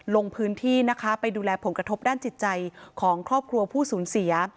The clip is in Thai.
ลงพื้นที่นะคะไปดูแลผลกระทบด้านจิตใจของครอบครัวผู้สูญเสีย